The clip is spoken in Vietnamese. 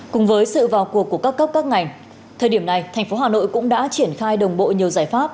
cùng với sự vào cuộc của các cấp các ngành thời điểm này thành phố hà nội cũng đã triển khai đồng bộ nhiều giải pháp